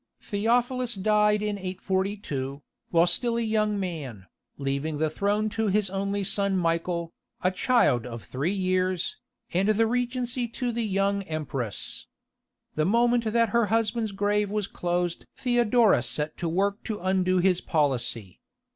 Theophilus died in 842, while still a young man, leaving the throne to his only son Michael, a child of three years, and the regency to the young empress. The moment that her husband's grave was closed Theodora set to work to undo his policy.